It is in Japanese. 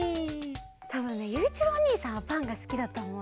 たぶんねゆういちろうおにいさんはパンがすきだとおもうよ。